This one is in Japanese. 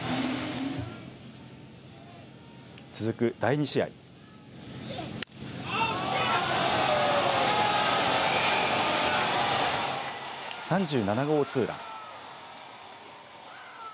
続く第２試合３７号ツーラン。